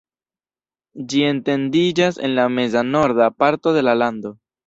Ĝi etendiĝas en la meza-norda parto de la lando.